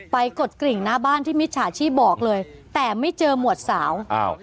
กดกริ่งหน้าบ้านที่มิจฉาชีพบอกเลยแต่ไม่เจอหมวดสาวอ้าว